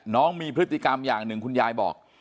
น้องมีพฤติกรรมอย่างหนึ่งคุณยายบอก